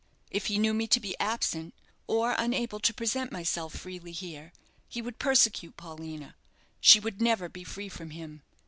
If he knew me to be absent, or unable to present myself freely here, he would persecute Paulina she would never be free from him.